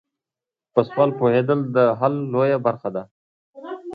په سوال پوهیدل د حل لویه برخه ده.